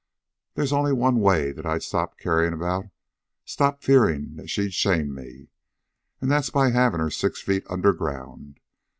They's only one way that I'd stop caring about stop fearing that she'd shame me. And that's by having her six feet underground.